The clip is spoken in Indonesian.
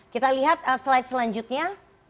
kita lihat slide selanjutnya